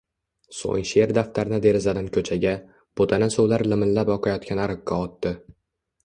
Soʼng sheʼr daftarini derazadan koʼchaga, boʼtana suvlar limillab oqayotgan ariqqa otdi.